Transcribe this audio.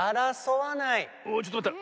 おっちょっとまった。